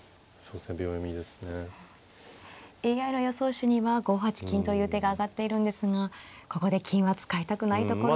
手には５八金という手が挙がっているんですがここで金は使いたくないところ。